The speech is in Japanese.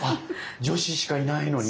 女子しかいないのに？